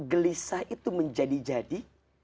gelisah itu menjadi jadi